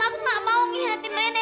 aku gak mau ngihatin rene